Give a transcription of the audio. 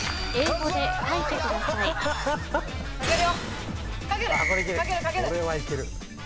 これはいける。